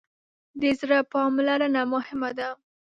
د زړه پاملرنه مهمه ده.